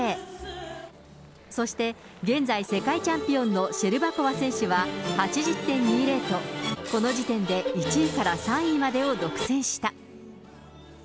そして現在世界チャンピオンのシェルバコワ選手は８０．２０と、この時点で１位から３位までを独占した。